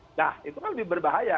nah itu kan lebih berbahaya